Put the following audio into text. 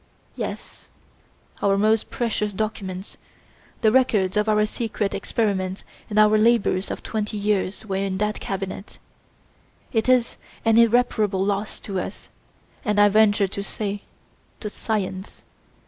Yes, our most precious documents, the records of our secret experiments and our labours of twenty years were in that cabinet. It is an irreparable loss to us and, I venture to say, to science.